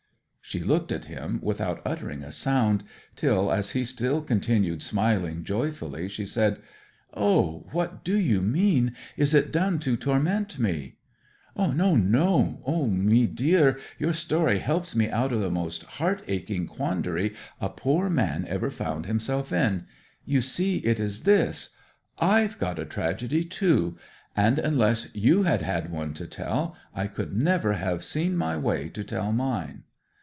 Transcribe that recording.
She looked at him without uttering a sound, till, as he still continued smiling joyfully, she said, 'O what do you mean! Is it done to torment me?' 'No no! O, mee deer, your story helps me out of the most heart aching quandary a poor man ever found himself in! You see, it is this I've got a tragedy, too; and unless you had had one to tell, I could never have seen my way to tell mine!'